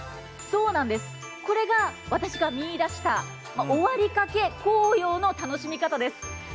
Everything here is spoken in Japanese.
これが私が見出した終わりかけ紅葉の楽しみ方です。